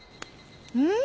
うん？